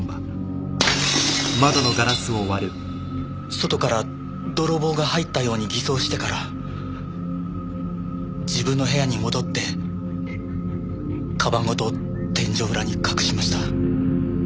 外から泥棒が入ったように偽装してから自分の部屋に戻ってカバンごと天井裏に隠しました。